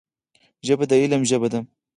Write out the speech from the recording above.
ژبه د علم ژبه ده